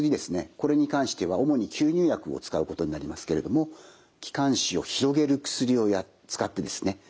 これに関しては主に吸入薬を使うことになりますけれども気管支を広げる薬を使ってですね